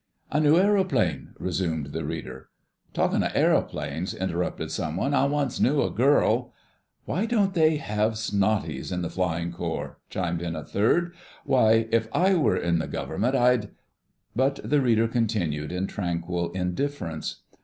"A new aeroplane—" resumed the reader. "Talkin' of aeroplanes," interrupted some one, "I once knew a girl——" "Why don't they have Snotties in the Flying Corps?" chimed in a third. "Why, if I were in the Government, I'd——" But the reader continued in tranquil indifference.